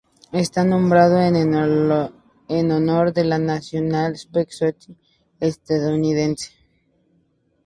Está nombrado en honor de la "National Space Society' estadounidense.